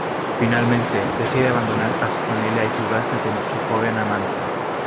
Finalmente, decide abandonar a su familia y fugarse con su joven amante.